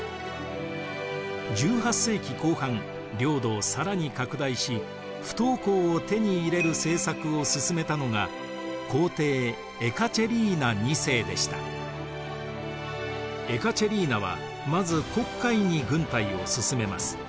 １８世紀後半領土を更に拡大し不凍港を手に入れる政策を進めたのが皇帝エカチェリーナはまず黒海に軍隊を進めます。